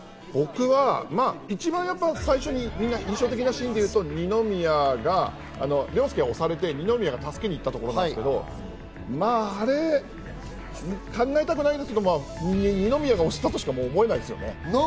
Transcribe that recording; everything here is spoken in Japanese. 僕は一番最初に印象的なシーンでいうと二宮が凌介が押されて二宮が助けに行ったところなんですけど、まぁ、あれ考えたくないんですけど、二宮が押したとしか思えないですよね。